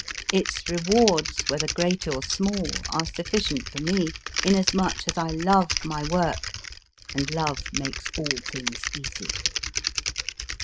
Its rewards, whether great or small, are suffi cient for me, inasmuch as I love my work, and love makes all things easy.